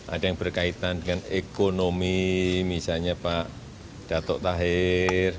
ada yang berkaitan dengan ekonomi misalnya pak datok tahir